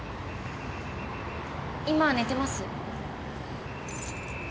今寝てます。